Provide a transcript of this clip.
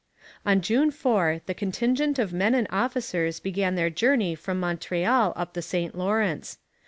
On June 4 the contingent of men and officers began their journey from Montreal up the St Lawrence.